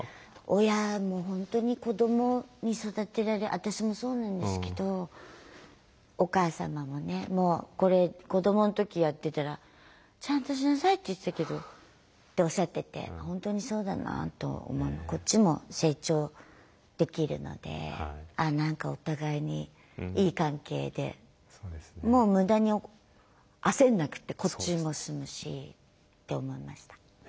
親も本当に子どもに育てられ私もそうなんですけどお母様もねもうこれ子どもの時やってたらちゃんとしなさいって言ってたけどっておっしゃってて本当にそうだなとこっちも成長できるのでああ何かお互いにいい関係でもう無駄に焦んなくってこっちも済むしって思いました。